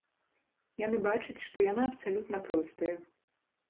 Яны бачаць, што яна абсалютна простая.